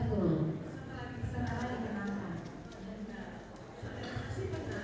berarti enam puluh juta